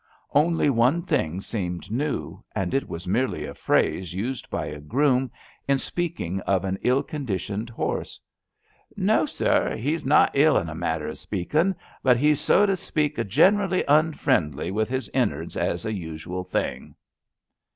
Only one thing seemed new, and it was merely a phrase used by a groom in speaking of an ill conditioned horse: No, sir; he's not ill in a manner o' speaking, but he's so to speak generally unfriendly with his innards as a usual thing."